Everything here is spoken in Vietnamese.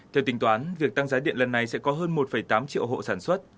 theo tính toán việc tăng giá điện lần này sẽ có hơn một tám triệu hộ sản xuất